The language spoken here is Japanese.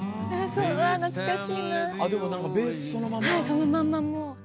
そのまんまもう。